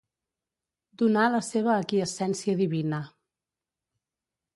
Donà la seva aquiescència divina.